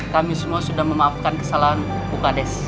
kami semua sudah memaafkan kesalahan bukades